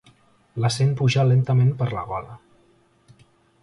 La sent pujar lentament per la gola.